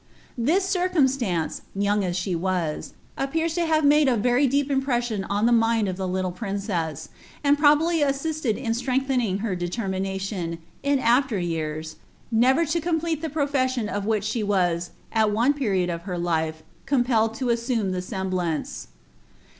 "* This circumstance, young as she was, appears to have made a very deep impression on the mind of the little princess, and probably a tsifUd in alrenglhening her delermination, in after years, never to complete the profession of which she was, at one period of her life, com[H Ued to assume the semblance.